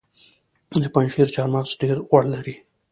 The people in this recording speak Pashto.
د پنجشیر چهارمغز ډیر غوړ لري.